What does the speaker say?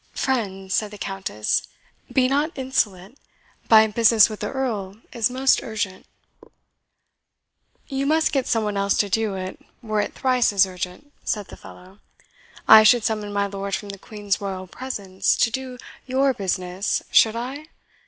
"Friend," said the Countess, "be not insolent my business with the Earl is most urgent." "You must get some one else to do it, were it thrice as urgent," said the fellow. "I should summon my lord from the Queen's royal presence to do YOUR business, should I?